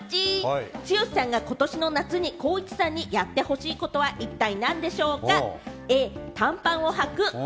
剛さんがことしの夏に光一さんにやってほしいことは一体何でしょうか？